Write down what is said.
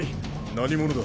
何者だ？